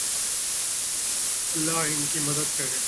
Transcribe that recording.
اللہ ان کی مدد کرے